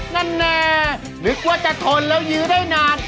นั่นแน่นึกว่าจะทนแล้วยื้อได้นาน